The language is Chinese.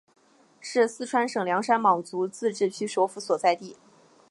是四川省凉山彝族自治州首府所在地。